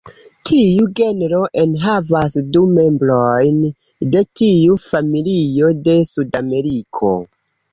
Tiu genro enhavas du membrojn de tiu familio de Sudameriko.